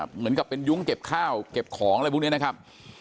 เหมือนกับเป็นยุ้งเก็บข้าวเก็บของอะไรพวกนี้นะครับ